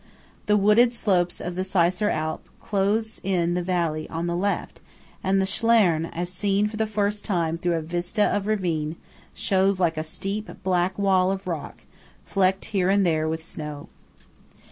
The wooded slopes of the Seisser Alp close in the valley on the left; and the Schlern, seen for the first time through a vista of ravine, shows like a steep, black wall of rock, flecked here and there with snow.